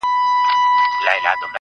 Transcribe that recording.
چي زړه ته، ته راغلې په مخه رقيب هم راغی,